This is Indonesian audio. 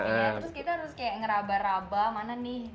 terus kita harus kayak ngeraba raba mana nih